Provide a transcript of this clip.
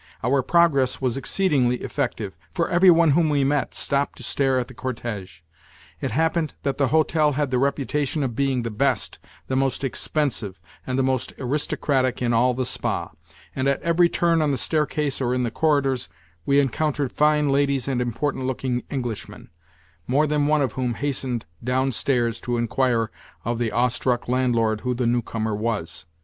Our progress was exceedingly effective, for everyone whom we met stopped to stare at the cortège. It happened that the hotel had the reputation of being the best, the most expensive, and the most aristocratic in all the spa, and at every turn on the staircase or in the corridors we encountered fine ladies and important looking Englishmen—more than one of whom hastened downstairs to inquire of the awestruck landlord who the newcomer was.